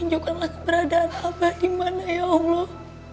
tunjukkanlah keberadaan abah di mana ya allah